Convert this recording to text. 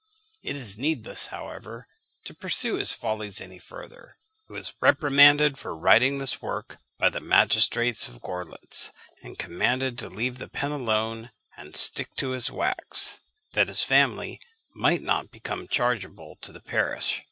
It is needless, however, to pursue his follies any further. He was reprimanded for writing this work by the magistrates of Görlitz, and commanded to leave the pen alone and stick to his wax, that his family might not become chargeable to the parish.